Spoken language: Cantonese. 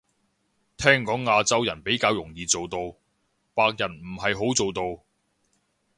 聽講亞洲人比較容易做到，白人唔係好做到